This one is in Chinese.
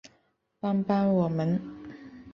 帮帮我们